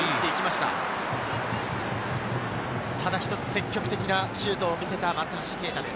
ただ一つ積極的なシュートを見せた松橋啓太です。